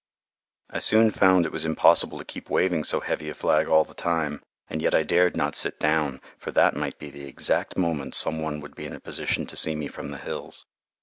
I soon found it was impossible to keep waving so heavy a flag all the time, and yet I dared not sit down, for that might be the exact moment some one would be in a position to see me from the hills.